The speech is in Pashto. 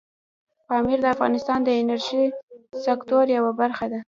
پامیر د افغانستان د انرژۍ سکتور یوه برخه ده.